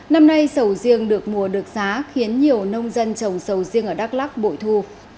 năm nay sầu riêng được mùa được giá khiến nhiều nông dân trồng sầu riêng ở đắk lắc bội thu